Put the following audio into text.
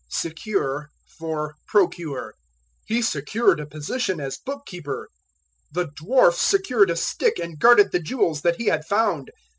Secure for Procure. "He secured a position as book keeper." "The dwarf secured a stick and guarded the jewels that he had found."